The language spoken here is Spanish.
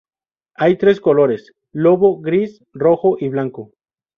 Hay tres colores: lobo-gris, rojo y blanco.